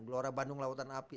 gelora bandung lautan api